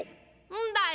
んだよ